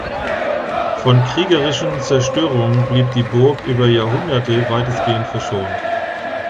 Von kriegerischen Zerstörungen blieb die Burg über Jahrhunderte weitestgehend verschont.